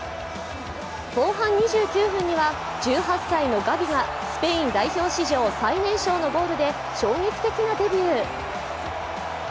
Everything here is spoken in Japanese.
後半２９分には、１８歳のガビがスペイン代表史上最年少のゴールで衝撃的なデビュー。